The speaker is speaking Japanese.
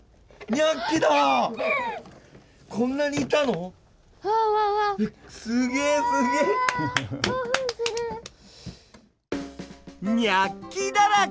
ニャッキだらけ！